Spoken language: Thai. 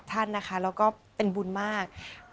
ขอเมตตาบรมีท่านปกป้องคลุมคลองเราค่ะ